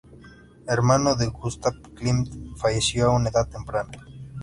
Hermano de Gustav Klimt, falleció a una edad temprana.